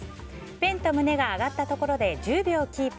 ペンと胸が上がったところで１０秒キープ。